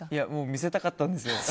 見せたかったんですよ。